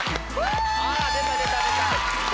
あら出た出た出た！